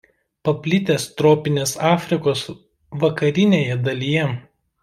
Paplitęs tropinės Afrikos vakarinėje dalyje.